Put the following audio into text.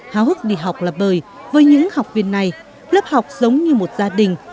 hào hức đi học là bời với những học viên này lớp học giống như một gia đình